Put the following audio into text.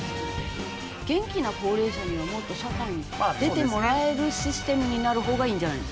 元気な高齢者にはもっと社会に出てもらえるシステムになるほうがいいんじゃないの？